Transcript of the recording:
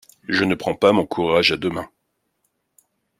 Je ne prends pas mon courage à deux mains.